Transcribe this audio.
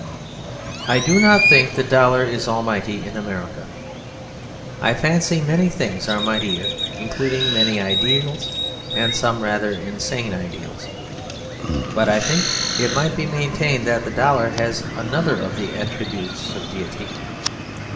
I do not think the dollar is almighty in America; I fancy many things are mightier, including many ideals and some rather insane ideals. But I think it might be maintained that the dollar has another of the attributes of deity.